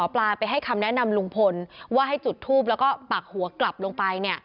เดี๋ยวเราดูกัน